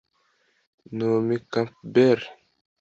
Naomi Campbell